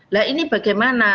lah ini bagaimana